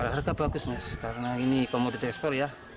harga bagus mes karena ini komodit ekspor ya